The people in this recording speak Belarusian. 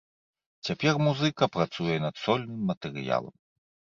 Цяпер музыка працуе над сольным матэрыялам.